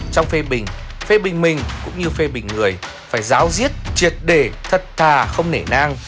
trong phê bình phê bình mình cũng như phê bình người phải giáo diết triệt đề thật thà không nể nang